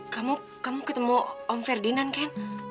kamu kamu ketemu om ferdinand ken